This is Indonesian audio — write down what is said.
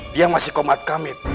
dia masih komat kamit